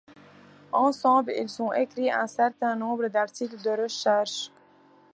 Ensemble, ils ont écrit un certain nombre d'articles de recherche.